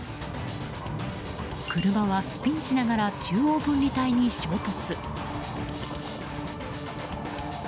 車はスピンしながら中央分離帯に衝突。